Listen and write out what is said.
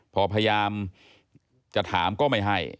พอพยายามจะถามก็ไม่ให้